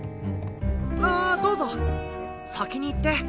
あどうぞ先に行って。